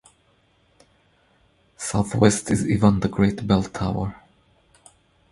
Southwest is Ivan the Great Bell Tower.